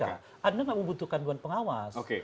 anda nggak membutuhkan dewan pengawas